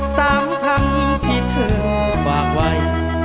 สามครั้งที่เธอว่าไหว